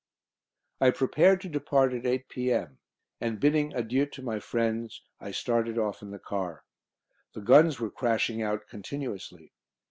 I prepared to depart at 8 p.m., and bidding adieu to my friends, I started off in the car. The guns were crashing out continuously.